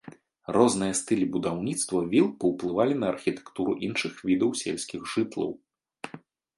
Розныя стылі будаўніцтва віл паўплывалі на архітэктуру іншых відаў сельскіх жытлаў.